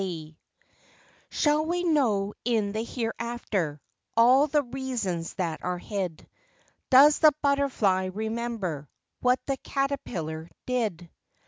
WINGS. Shall we know in the Hereafter All the reasons that are hid ? Does the butterfly remember What the caterpillar did